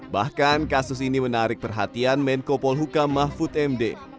bahkan kasus ini menarik perhatian menko polhuka mahfud md